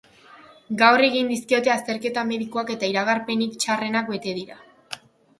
Gaur egin dizkiote azterketa medikoak eta iragarpenik txarrenak bete dira.